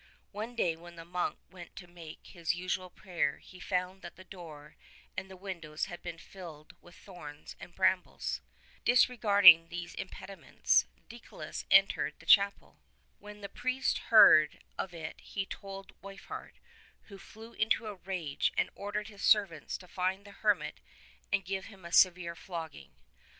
One day when the monk went to make his usual prayer, he found that the door and the windows 6i had been filled with thorns and brambles. Disregarding these impediments, Deicolus entered the chapel. When the priest heard of it he told Weifhardt, who flew into a rage and ordered his servants to find the hermit and give him a severe flogging.